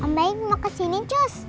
mbaik mau kesini cus